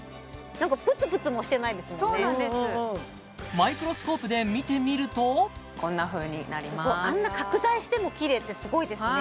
マイクロスコープで見てみるとこんなふうになりますすごっあんな拡大してもキレイってすごいですね